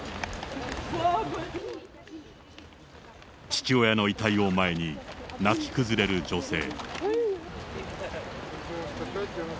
父親の遺体を前に、泣き崩れる女性。